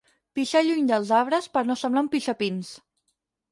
Pixar lluny dels arbres per no semblar un pixapins.